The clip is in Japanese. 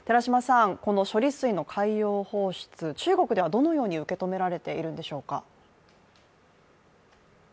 この処理水の海洋放出、中国ではどのように受け止められているんでしょうか。